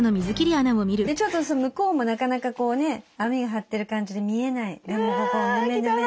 ちょっと向こうもなかなかこうね網が張ってる感じで見えないヌメヌメ。